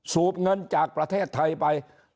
สูบเงินจากประเทศไทยไป